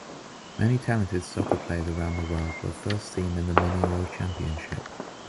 Many talented soccer players around the world were first seen in Mineiro Championship.